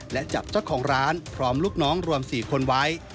และจับเจ้าของร้านพร้อมลูกน้องรวม๔คนไว้